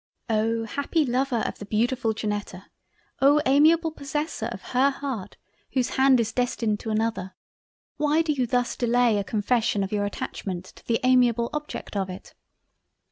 "Oh! happy Lover of the beautifull Janetta, oh! amiable Possessor of her Heart whose hand is destined to another, why do you thus delay a confession of your attachment to the amiable Object of it?